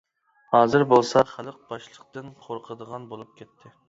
ھازىر بولسا خەلق باشلىقتىن قورقىدىغان بولۇپ كەتتى.